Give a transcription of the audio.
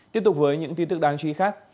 tiếp tục với những tin tức đáng chú ý khác